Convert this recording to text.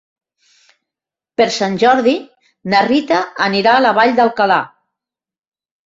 Per Sant Jordi na Rita anirà a la Vall d'Alcalà.